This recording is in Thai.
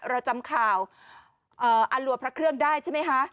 เราจำข่าวอลัวพระเครื่องได้ใช่ไหมคะ